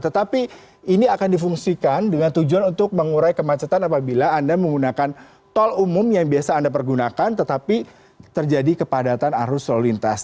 tetapi ini akan difungsikan dengan tujuan untuk mengurai kemacetan apabila anda menggunakan tol umum yang biasa anda pergunakan tetapi terjadi kepadatan arus lalu lintas